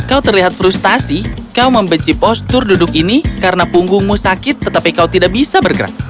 kau terlihat frustasi kau membenci postur duduk ini karena punggungmu sakit tetapi kau tidak bisa bergerak